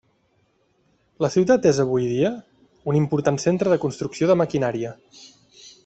La ciutat és avui dia un important centre de construcció de maquinària.